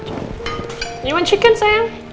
kau mau chicken sayang